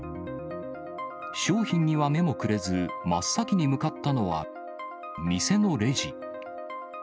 商品には目もくれず、真っ先に向かったのは、店のレジ。